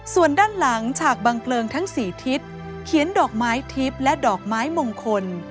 ส่วนด้านหลังฉากบังเกลิงทั้ง๔ทิศเขียนดอกไม้ทิพย์และดอกไม้มงคล